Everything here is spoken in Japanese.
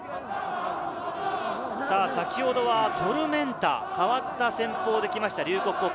先ほどはトルメンタ、変わった戦法できました、龍谷高校。